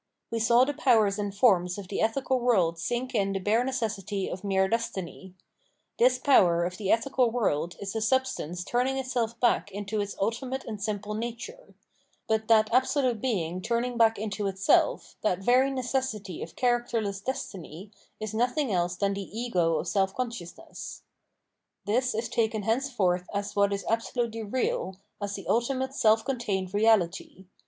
We saw the powers and forms of the ethical world sink in the bare necessity of mere Destiny. This * Reading selbstbewusstlose (1st ed.). 479 480 Phenomenology of Mind power of the ethical world is the substance turning itself back into its ultimate and simple nature. But that absolute being turning back into itself, that very necessity of characterless Destiny, is nothing else than the Ego of self consciousness. This is taken henceforth as what is absolutely real, as the ultimate self contained reality.